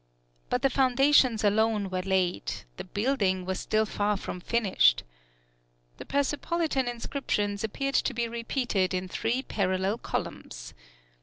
But the foundations alone were laid; the building was still far from finished. The Persepolitan inscriptions appeared to be repeated in three parallel columns.